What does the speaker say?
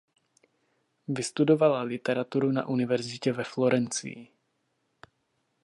Vystudovala literaturu na univerzitě ve Florencii.